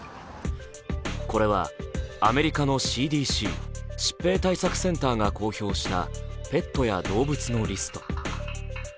これは、アメリカのＣＤＣ＝疾病対策センターが公表したペットや動物のリスト。